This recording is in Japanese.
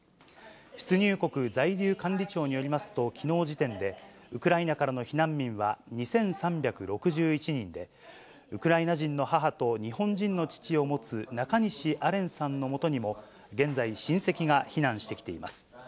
出入国在留管理庁によりますと、きのう時点で、ウクライナからの避難民は２３６１人で、ウクライナ人の母と日本人の父を持つ中西亜廉さんのもとにも、現在、親戚が避難してきています。